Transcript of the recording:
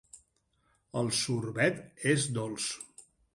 El sorbet és dolç.